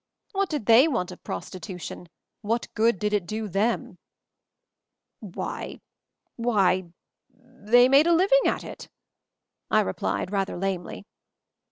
"What did they want of prostitution? What good did it do them?" "Why — why — they made a living at it," I replied, rather lamely.